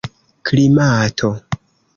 klimato